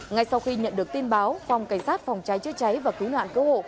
ngay sau khi nhận được tin báo phòng cảnh sát phòng cháy chữa cháy và cứu nạn cứu hộ